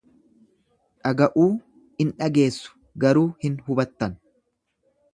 Dhaga'uu in dhageessu garuu hin hubattan.